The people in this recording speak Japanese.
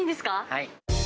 はい。